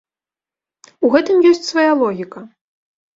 У гэтым ёсць свая логіка.